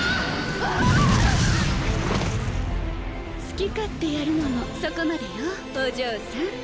好き勝手やるのもそこまでよお嬢さん。